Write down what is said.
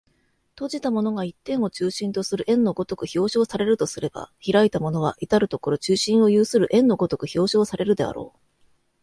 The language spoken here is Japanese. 閉じたものが一点を中心とする円の如く表象されるとすれば、開いたものは到る処中心を有する円の如く表象されるであろう。